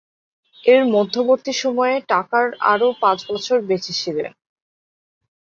এর মধ্যবর্তী সময়ে টাকার আরও পাঁচ বছর বেঁচে ছিলেন।